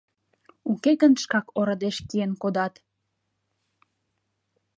Уке гын шкак орадеш киен кодат.